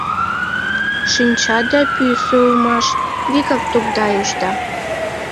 Шинчада пӱсӧ улмаш, вигак тогдайышда.